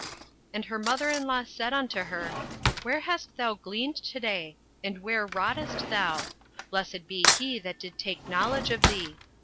08:002:019 And her mother in law said unto her, Where hast thou gleaned to day? and where wroughtest thou? blessed be he that did take knowledge of thee.